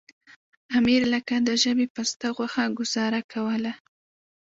امیر لکه د ژبې پسته غوښه ګوزاره کوله.